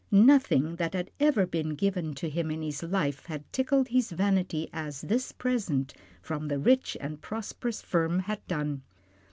Nothing that had ever been given to him in his life had tickled his vanity as this present from the rich and prosperous firm had done.